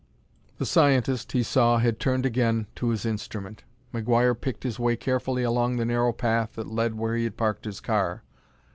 The scientist, he saw, had turned again to his instrument. McGuire picked his way carefully along the narrow path that led where he had parked his car.